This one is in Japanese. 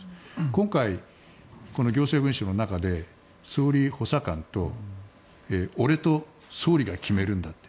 今回、この行政文書の中で総理補佐官と俺と、総理が決めるんだって。